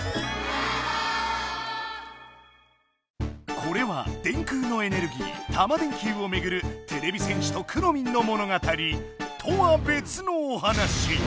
これは電空のエネルギータマ電Ｑをめぐるてれび戦士とくろミンの物語とはべつのお話。